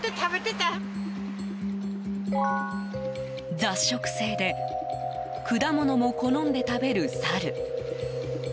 雑食性で果物も好んで食べるサル。